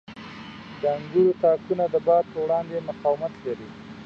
• د انګورو تاکونه د باد په وړاندې مقاومت لري.